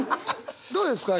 どうですか？